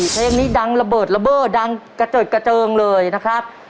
เพลงนี้ดังระเบิดระเบอร์ดังเกริดเกริ่งเลยนะครับ